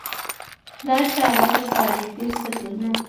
چي دا چاره د کاري فرصتونو